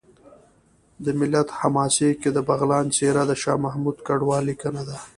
د ملت حماسه کې د بغلان څېره د شاه محمود کډوال لیکنه ده